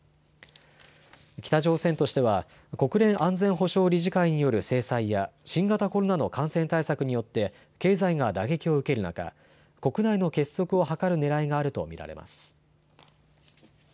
北朝鮮としては国連安全保障理事会による制裁や新型コロナの感染対策によって経済が打撃を受ける中、国内の結束を図るねらいがあると見られます。